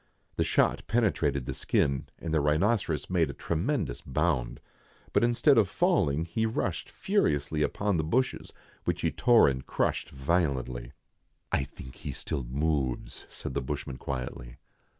The shot penetrated the skin, and the rhinoceros made a tremendous bound ; but instead of falling, he rushed furiously upon the bushes, which he tore and crushed violently. " I think he still moves," said the bushman quietly.